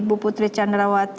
ibu putri chandrawati